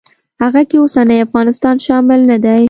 هغه کې اوسنی افغانستان شامل نه دی.